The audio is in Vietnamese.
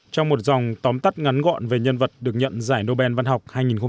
trong một dòng tóm tắt ngắn gọn về nhân vật được nhận giải nobel văn học hai nghìn hai mươi